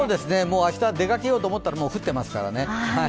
明日、出かけようと思ったらもう降ってますからね。